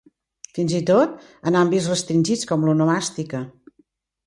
Fins i tot en àmbits restringits com l'onomàstica.